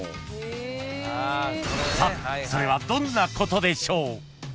［さてそれはどんなことでしょう］